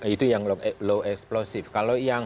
itu yang low explosive kalau yang